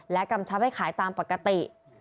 กำชับให้ขายตามปกติ